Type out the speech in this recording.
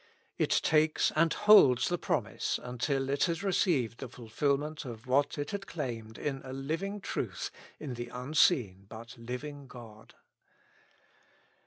It takes and holds the promise until it has received the fulfilment of what it had claimed in a living truth in the unseen but living God.